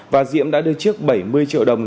và diễm đã đưa trước bảy mươi triệu đồng